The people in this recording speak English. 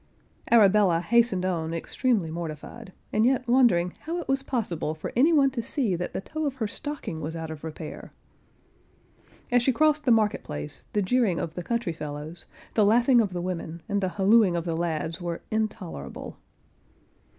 Arabella hastened on extremely mortified, and yet wondering how it was possible for any one to see that the toe of her stocking was out of repair. As she crossed the market place, the jeering of the country fellows, the laughing of the women, and the hallooing of the lads were intolerable.